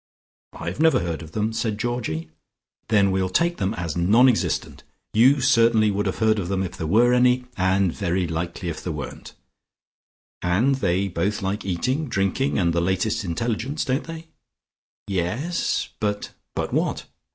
"I've never heard of them," said Georgie. "Then we'll take them as non existent. You certainly would have heard of them if there were any, and very likely if there weren't. And they both like eating, drinking and the latest intelligence. Don't they?" "Yes. But " "But what?